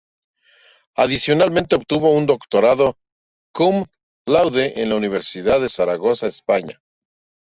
Adicionalmente obtuvo un doctorado cum laude en la Universidad de Zaragoza, España.